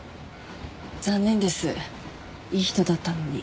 残念ですいい人だったのに。